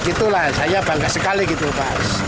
gitulah saya bangga sekali gitu pas